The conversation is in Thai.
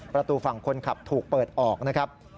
ประตูฝั่งคนขับถูกเปิดออกนะครับ